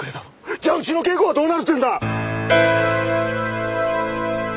じゃあうちの圭子はどうなるっていうんだ！